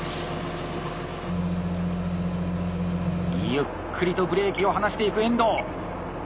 ゆっくりとブレーキを離していく遠藤。